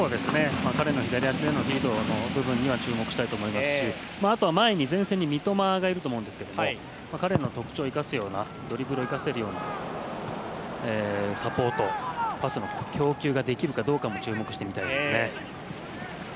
彼の左足のフィードには注目したいと思いますし前線には三笘がいると思いますが彼の特徴、ドリブルを生かせるようなサポートパスの供給ができるかどうかにも注目してみたいですね。